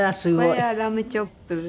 これはラムチョップですね。